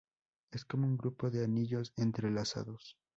Es como un grupo de anillos entrelazados.